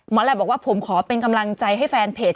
แหลบบอกว่าผมขอเป็นกำลังใจให้แฟนเพจ